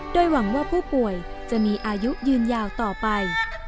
โดยหวังว่าผู้ป่วยจะมีอายุยืนยาวต่อไป